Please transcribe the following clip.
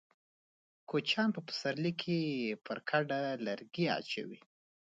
کوچيان په پسرلي کې پر کډه لرګي اچوي.